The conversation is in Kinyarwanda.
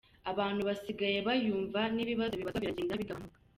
Abantu basigaye bayumva n’ibibazo bibazwa biragenda bigabanuka.